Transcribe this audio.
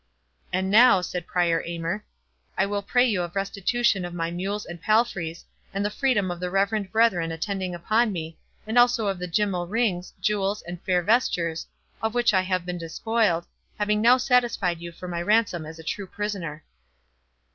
"And now," said Prior Aymer, "I will pray you of restitution of my mules and palfreys, and the freedom of the reverend brethren attending upon me, and also of the gymmal rings, jewels, and fair vestures, of which I have been despoiled, having now satisfied you for my ransom as a true prisoner."